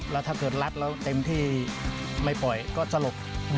แล้วถ้าเกิดรัดแล้วเต็มที่ไม่ปล่อยก็สลบ